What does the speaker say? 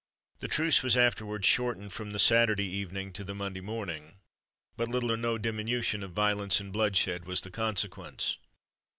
The truce was afterwards shortened from the Saturday evening to the Monday morning; but little or no diminution of violence and bloodshed was the consequence.